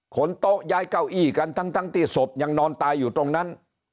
โต๊ะย้ายเก้าอี้กันทั้งที่ศพยังนอนตายอยู่ตรงนั้น